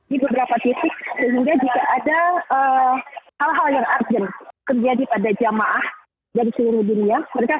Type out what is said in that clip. di beberapa titik sehingga jika ada hal hal yang urgent terjadi pada jamaah dari seluruh dunia mereka